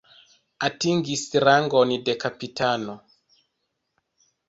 Atingis rangon de kapitano.